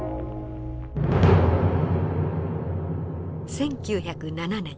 １９０７年。